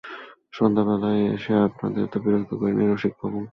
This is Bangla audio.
সন্ধেবেলায় এসে আপনাদের তো বিরক্ত করি নি রসিকবাবু?